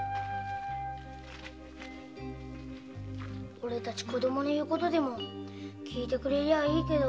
オレたち子供の言う事でも聞いてくれりゃいいけど。